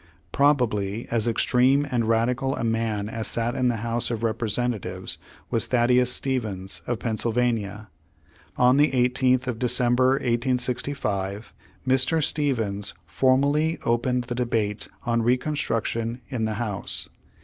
Probably as ex treme and radical a man as sat in the House of Representatives, v/as Thaddeus Stevens, of Penn sylvania. On the 18th of December, 1865, Mr. Stevens foraially opened the debate on Recon struction in the House.